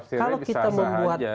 itu tafsirnya sama aja